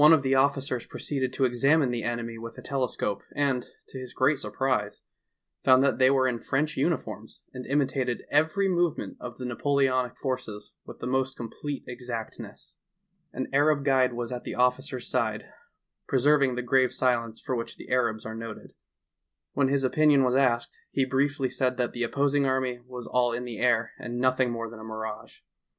of the officers proceeded to examine the enemy with a telescope, and to his great surprise found that they were in French uniforms and imitated every movement of the Napoleonic forces with the most complete exactness. An Arab guide was at the officer's side, preserv ing the grave silence for which the Arabs are noted. When his opinion was asked, he briefly said that the opposing army was all in the air and nothing more than a mirage.